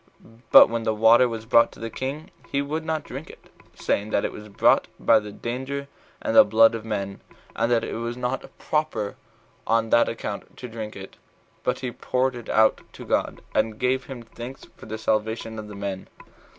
But when the water was brought to the king, he would not drink it, saying, that it was brought by the danger and the blood of men, and that it was not proper on that account to drink it. But he poured it out to God, and gave him thanks for the salvation of the men.